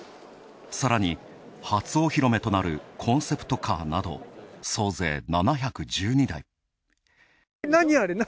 さらに、初お披露目となるコンセプトカーなど総勢７１２台。